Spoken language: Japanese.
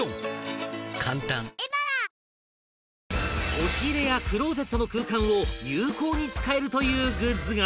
押し入れやクローゼットの空間を有効に使えるというグッズが